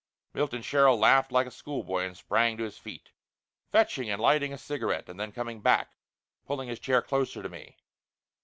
Milton Sherrill laughed like a schoolboy and sprang to his feet, fetching and lighting a cigarette, and then coming back, pulling his chair closer to me.